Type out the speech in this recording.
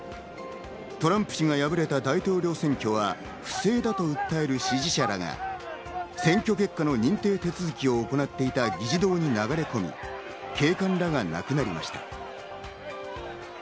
トランプ氏が敗れた大統領選挙は不正だと訴える支持者らが選挙結果の認定手続きを行っていた議事堂に流れ込み、警官らが亡くなりました。